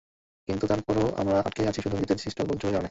কিন্তু তার পরও আমরা আটকে আছি শুধু নিজেদের সৃষ্ট গোলযোগের কারণে।